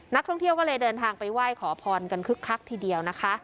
นักท่องเที่ยวก็เลยเดินทางไปไหว้ขอพรกันคึกคักทีเดียวนะคะ